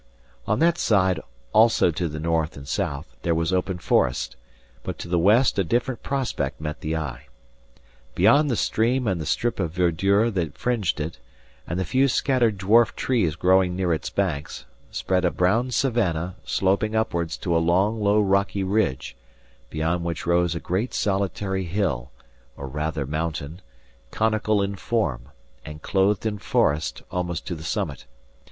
On that side, also to the north and south, there was open forest, but to the west a different prospect met the eye. Beyond the stream and the strip of verdure that fringed it, and the few scattered dwarf trees growing near its banks, spread a brown savannah sloping upwards to a long, low, rocky ridge, beyond which rose a great solitary hill, or rather mountain, conical in form, and clothed in forest almost to the summit.